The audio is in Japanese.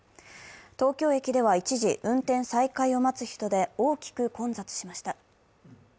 東京駅では一時、運転再開を待つ人で大きく混雑しました。